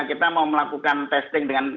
kita mau melakukan testing dengan